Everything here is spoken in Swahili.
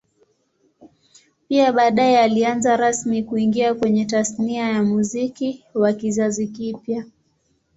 Pia baadae alianza rasmi kuingia kwenye Tasnia ya Muziki wa kizazi kipya